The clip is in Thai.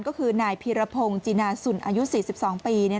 ก็คือนายพีรพงศ์จีนาสุนอายุ๔๒ปี